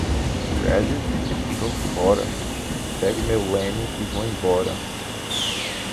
Reddit? Tô fora. Pego meu lemmy e vou embora.